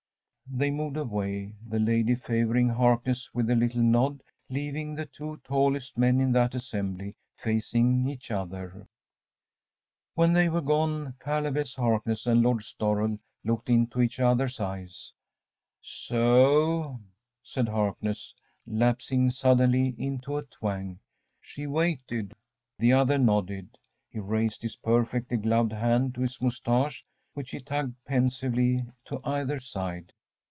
‚ÄĚ They moved away, the lady favouring Harkness with a little nod, leaving the two tallest men in that assembly facing each other. When they were gone, Caleb S. Harkness and Lord Storrel looked into each other's eyes. ‚ÄúSo,‚ÄĚ said Harkness, lapsing suddenly into a twang, “she waited.‚ÄĚ The other nodded. He raised his perfectly gloved hand to his moustache, which he tugged pensively to either side.